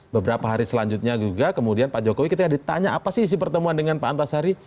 beberapa hari selanjutnya juga kemudian pak jokowi ketika ditanya apa sih isi pertemuan dengan pak antasari